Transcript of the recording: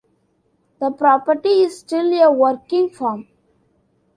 The property is still a working farm.